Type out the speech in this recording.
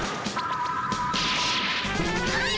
はい！